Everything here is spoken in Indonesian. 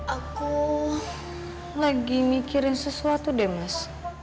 aku lagi mikirin sesuatu deh mas